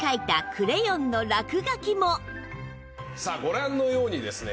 さあご覧のようにですね